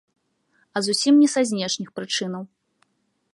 А зусім не са знешніх прычынаў.